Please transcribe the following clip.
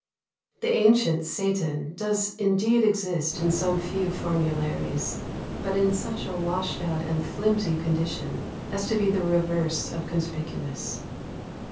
The ancient Satan does indeed exist in some few formularies, but in such a washed out and flimsy condition as to be the reverse of conspicuous.